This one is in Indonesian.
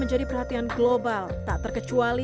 menjadi perhatian global tak terkecuali